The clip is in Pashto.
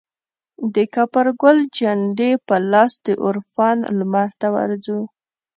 دکاپرګل جنډې په لاس دعرفان لمرته ورځو